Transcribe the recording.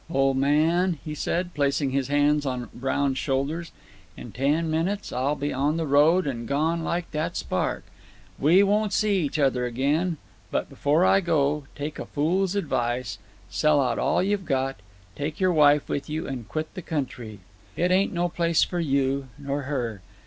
"Old man," he said, placing his hands upon Brown's shoulders, "in ten minutes I'll be on the road, and gone like that spark. We won't see each other agin; but, before I go, take a fool's advice: sell out all you've got, take your wife with you, and quit the country. It ain't no place for you, nor her.